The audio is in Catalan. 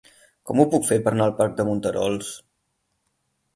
Com ho puc fer per anar al parc de Monterols?